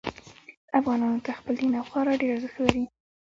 افغانانو ته خپل دین او خاوره ډیر ارزښت لري